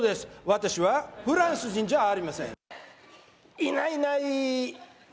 私はフランス人じゃありません。